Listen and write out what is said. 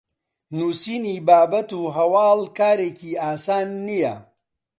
نوسینی بابەت و هەواڵ کارێکی ئاسان نییە